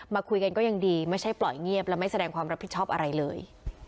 มาคุยกันก็ยังดีไม่ใช่ปล่อยเงียบและไม่แสดงความรับผิดชอบอะไรเลย